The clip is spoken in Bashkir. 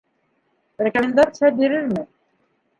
Рекомендация бирермен.